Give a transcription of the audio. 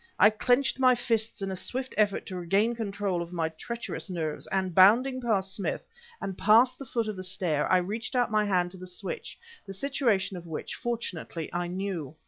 I clenched my fists in a swift effort to regain control of my treacherous nerves, and, bounding past Smith, and past the foot of the stair, I reached out my hand to the switch, the situation of which, fortunately, I knew.